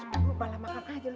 lu udah ngeliat balah makan aja lu